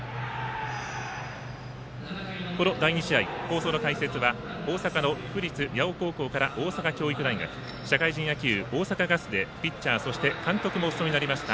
この第２試合、放送の解説は大阪の府立八尾高校から大阪教育大学社会人野球大阪ガスでピッチャーそして監督もお務めになりました